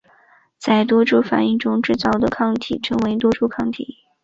在多株反应中制造的抗体称为多株抗体。